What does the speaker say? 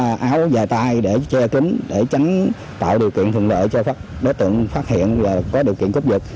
có áo dài tay để che kín để tránh tạo điều kiện thuận lợi cho đối tượng phát hiện là có điều kiện cướp dịch